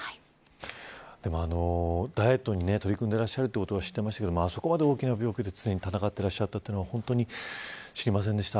でもダイエットに取り組んでいらっしゃるということは知ってましたけどあそこまで大きな病気と常に闘ってらっしゃったというのは本当に、知りませんでした。